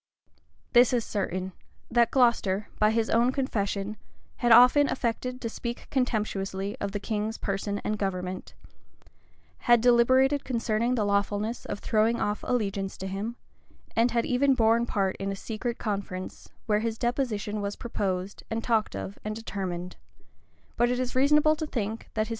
This is certain, that Glocester, by his own confession, had often affected to speak contemptuously of the king's person and government; had deliberated concerning the lawfulness of throwing off allegiance to him; and had even borne part in a secret conference, where his deposition was proposed, and talked of, and determined:[] but it is reasonable to think, that his schemes were not so far advanced.